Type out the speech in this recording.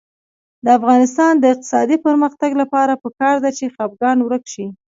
د افغانستان د اقتصادي پرمختګ لپاره پکار ده چې خپګان ورک شي.